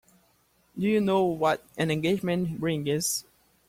Do you know what an engagement ring is?